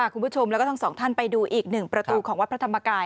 คุณผู้ชมแล้วก็ทั้งสองท่านไปดูอีกหนึ่งประตูของวัดพระธรรมกาย